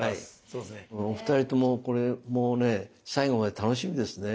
お二人ともこれもうね最後まで楽しみですね。